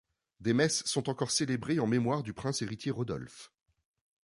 Des messes sont encore célébrées en mémoire du prince héritier Rodolphe.